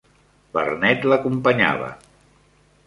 Vernet l'acompanyava.